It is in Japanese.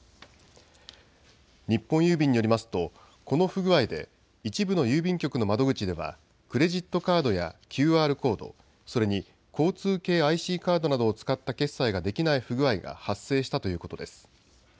日本郵便によりますとこの不具合で一部の郵便局の窓口ではクレジットカードやＱＲコード、それに交通系ＩＣカードなどを使った決済ができない不具合が発生したということです。